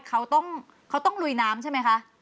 เขาต้องลุยน้ำใช่ไหมคะ